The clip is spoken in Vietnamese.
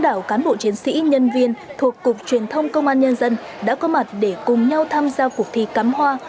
các cán bộ chiến sĩ nhân viên thuộc cục truyền thông công an nhân dân đã có mặt để cùng nhau tham gia cuộc thi cắm hoa